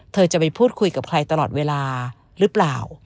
จะไปพูดคุยกับใครตลอดเวลาหรือเปล่า